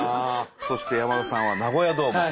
そして山田さんはナゴヤドーム。